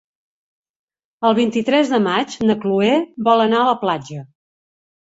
El vint-i-tres de maig na Chloé vol anar a la platja.